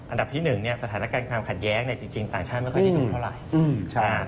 อันดับที่๑สถานการณ์ความขัดแย้งจริงต่างชาติไม่ค่อยได้ดูเท่าไหร่